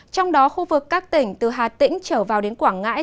trong đó khu vực các tỉnh từ hà tĩnh trở vào đến quảng ngãi